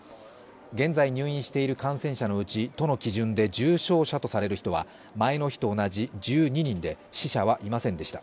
現在入院している感染者のうち、都の基準で重症者とされる人は前の日と同じ１２人で死者はいませんでした。